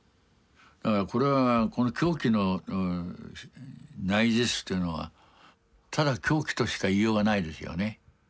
これはこの狂気の内実というのはただ狂気としか言いようがないですよね。